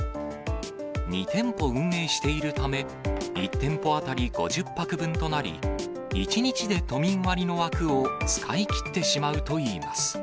２店舗運営しているため、１店舗当たり５０泊分となり、１日で都民割の枠を使い切ってしまうといいます。